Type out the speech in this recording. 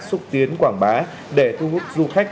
xúc tiến quảng bá để thu hút du khách